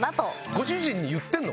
ご主人に言ってるの？